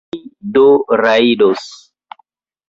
Ni do rajdos?